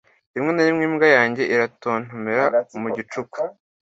Rimwe na rimwe imbwa yanjye iratontomera mu gicuku.